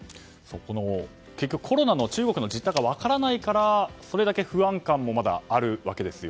結局コロナの中国の実態が分からないからそれだけ不安感もまだあるわけですよ。